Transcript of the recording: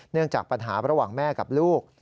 เนื่องจากปัญหาระหว่างแม่กับลูก